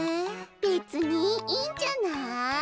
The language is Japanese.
べつにいいんじゃない。